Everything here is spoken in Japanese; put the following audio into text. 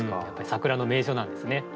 やっぱり桜の名所なんですね。